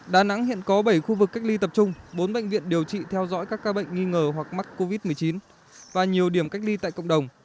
đà nẵng hiện có bảy khu vực cách ly tập trung bốn bệnh viện điều trị theo dõi các ca bệnh nghi ngờ hoặc mắc covid một mươi chín và nhiều điểm cách ly tại cộng đồng